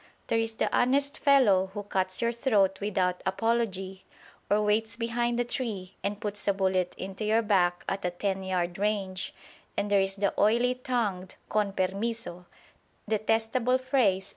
There is the honest fellow who cuts your throat without apology or waits behind a tree and puts a bullet into your back at a ten yard range; and there is the oily tongued "con permiso" (detestable phrase!